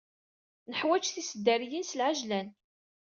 Neḥwaǧ tiseddaryin s lɛeǧlan.